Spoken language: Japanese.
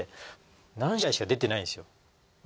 何試合しか出てないんですよ。